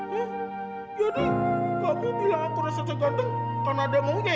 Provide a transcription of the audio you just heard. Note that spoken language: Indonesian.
hah yaudah kamu bilang aku rasa rasa ganteng karena ada maunya